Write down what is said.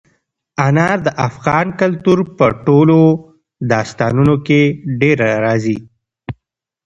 انار د افغان کلتور په ټولو داستانونو کې ډېره راځي.